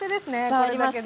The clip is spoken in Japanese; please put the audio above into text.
これだけで。